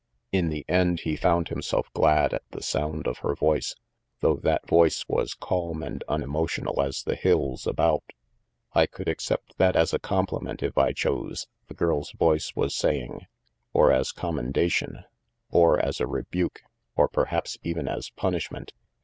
In the end, he found himself glad at the sound of her voice, though that voice was calm and unemo tional as the hills about. "I could accept that as a compliment, if I chose," the girl's voice was saying, "or as commendation, or as a rebuke, or perhaps even as punishment.